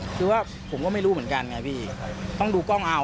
คือว่าผมก็ไม่รู้เหมือนกันไงพี่ต้องดูกล้องเอา